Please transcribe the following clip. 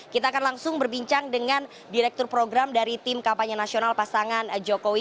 kita akan langsung berbincang dengan direktur program dari tim kampanye nasional pasangan jokowi